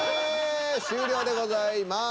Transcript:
終了でございます。